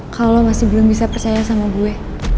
kalo lo masih belum bisa percaya sama gue